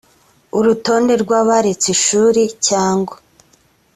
urutonde rw abaretse ishuri cyangwa